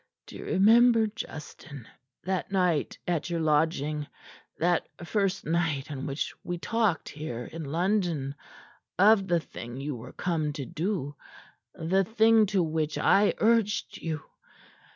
"Do you remember, Justin, that night at your lodging that first night on which we talked here in London of the thing you were come to do the thing to which I urged you?